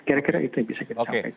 kira kira itu yang bisa kita capai